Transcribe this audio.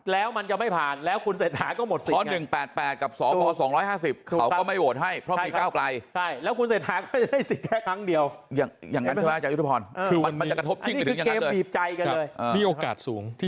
แล้วมันจะไม่ผ่านแล้วคุณเสร็จหาจะหมดสิทธิ์